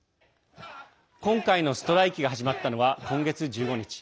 今回のストライキが始まったのは今月１５日。